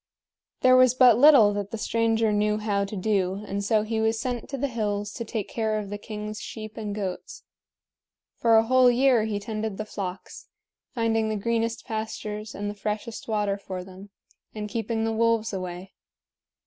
There was but little that the stranger knew how to do, and so he was sent to the hills to take care of the king's sheep and goats. For a whole year he tended the flocks, finding the greenest pastures and the freshest water for them, and keeping the wolves away.